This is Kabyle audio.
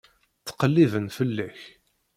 Ttqelliben fell-ak.